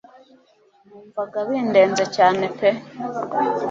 Numvaga bindenze cyane pe